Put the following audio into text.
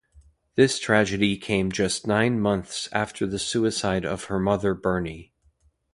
This tragedy came just nine months after the suicide of her mother Bernie.